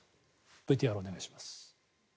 ＶＴＲ、お願いします。